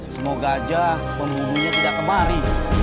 semoga aja pembunuhnya tidak kemarin